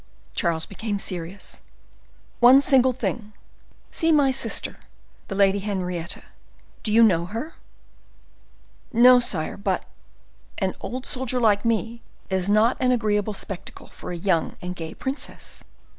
Charles became more serious. "One single thing. See my sister, the Lady Henrietta. Do you know her?" "No, sire, but—an old soldier like me is not an agreeable spectacle for a young and gay princess."